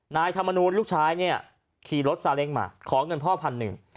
นายธรรมนูลลูกชายเนี่ยขี่รถซาเล้งมาขอเงินพ่อพันหนึ่ง